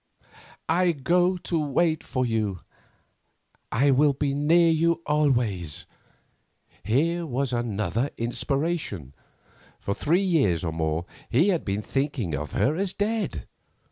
"I go to wait for you. I will be near you always." Here was another inspiration. For three years or more he had been thinking of her as dead.